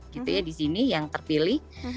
gitu ya di sini yang terpilih